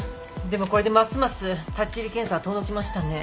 でもこれでますます立入検査は遠のきましたね。